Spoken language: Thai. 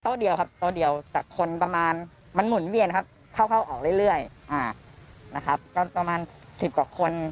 เดียวครับโต๊ะเดียวแต่คนประมาณมันหมุนเวียนครับเข้าออกเรื่อยนะครับก็ประมาณสิบกว่าคน